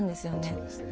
そうですね。